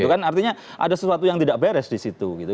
artinya ada sesuatu yang tidak beres di situ gitu